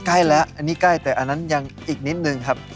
ใกล้แล้วอันนี้ใกล้แต่อันนั้นยังอีกนิดนึงครับ